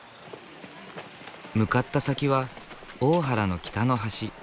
向かった先は大原の北の端。